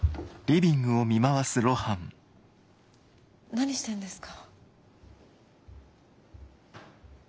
何してるんですか？